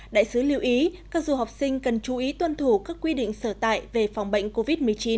đại sứ lưu ý các du học sinh cần chú ý tuân thủ các quy định sở tại về phòng bệnh covid một mươi chín